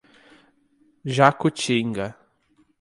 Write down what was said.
Jacutinga